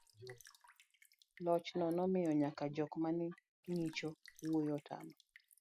loch no nomiyo nyaka jok maneng'icho wuoyo otamo